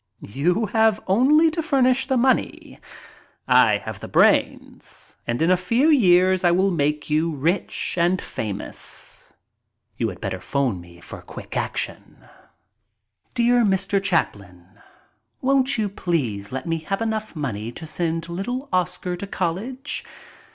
You have only to furnish the money. I have the brains and in a few years I will make you rich and famous. You had better phone me for quick action. Dear Mr. Chaplin, — Won't you please let me have enough money to send little Oscar to college?